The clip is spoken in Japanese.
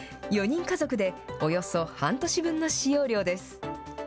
４人家族でおよそ半年分の使用量です。